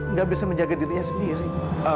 nggak bisa menjaga dirinya sendiri